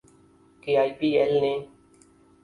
کہ I P L نے